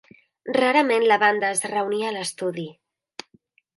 Rarament la banda es reunia a l'estudi.